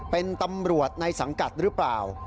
เป็นตำรวจในสังกัดหรือเปล่า